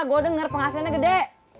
gue denger penghasilannya gede